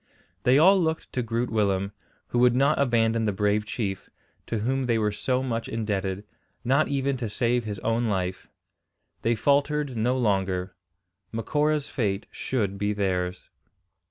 They all looked to Groot Willem, who would not abandon the brave chief, to whom they were so much indebted, not even to save his own life. They faltered no longer. Macora's fate should be theirs.